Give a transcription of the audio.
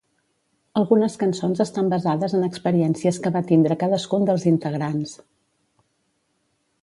Algunes cançons estan basades en experiències que va tindre cadascun dels integrants.